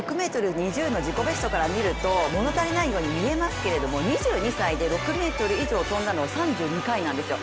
６ｍ２０の自己ベストから見ると物足りないように見えますけれども２２歳で６ｍ以上跳んだのは３２回なんですよ。